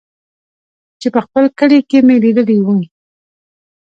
چې په خپل کلي کښې مې ليدلې وې.